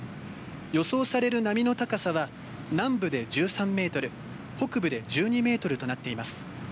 予想される波の高さは南部で１３ｍ北部で１２ｍとなっています。